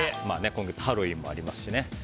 今月、ハロウィーンもありますし。